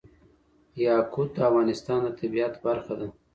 یاقوت د افغانستان د طبیعت برخه ده.